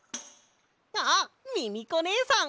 あっミミコねえさん！